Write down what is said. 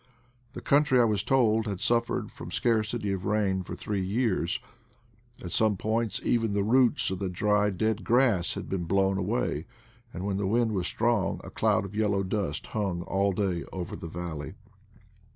The country, I was told, had suffered from scarcity of rain for three years : at soma points even the roots of the dry dead grass had been blown away, and when the wind was strong a cloud of yellow dust hung all day over the valley.